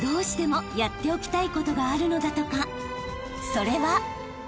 ［それは］